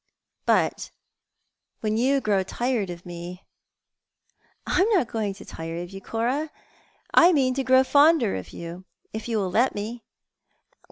But when you grow tired of me "" I am not going to tire of you, Cora. I mean to grow fonder of you, if you will let me."